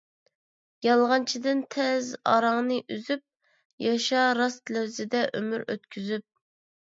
يالغانچىدىن تەز ئاراڭنى ئۈزۈپ، ياشا راست لەۋزدە ئۆمۈر ئۆتكۈزۈپ.